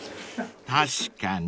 ［確かに］